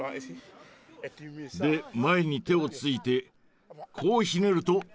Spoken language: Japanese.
で前に手をついてこうひねると倒せる。